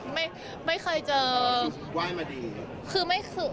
ไม่ใช่